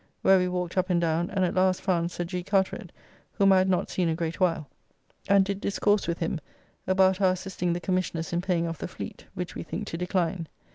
Where we walked up and down, and at last found Sir G. Carteret, whom I had not seen a great while, and did discourse with him about our assisting the Commissioners in paying off the Fleet, which we think to decline.